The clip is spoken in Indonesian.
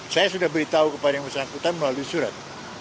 saya sudah beritahu kepada yang bersangkutan melalui surat